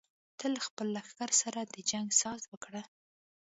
ته له خپل لښکر سره د جنګ ساز وکړه.